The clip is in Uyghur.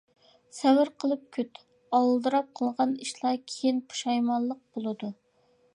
سەۋر قىلىپ كۈت، ئالدىراپ قىلىنغان ئىشلار كىيىن پۇشايمانلىق بولىدۇ.